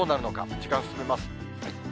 時間進めます。